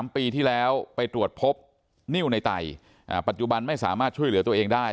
๓ปีที่แล้วไปตรวจพบนิ้วในไตปัจจุบันไม่สามารถช่วยเหลือตัวเองได้